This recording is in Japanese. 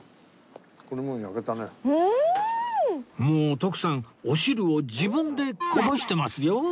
もう徳さんお汁を自分でこぼしてますよ